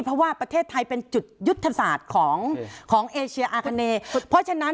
เพราะว่าประเทศไทยเป็นจุดยุทธศาสตร์ของของเอเชียอาคาเนเพราะฉะนั้น